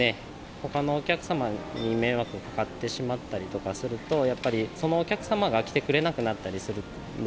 ほかのお客様に迷惑がかかってしまったりとかすると、やっぱり、そのお客様が来てくれなくなったりするんで。